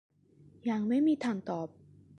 ยังไม่ทันตอบ